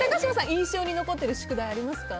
印象に残ってる宿題ありますか？